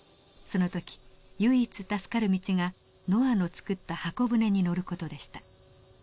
その時唯一助かる道がノアの作った方舟に乗る事でした。